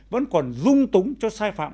vẫn còn rung túng cho sai phạm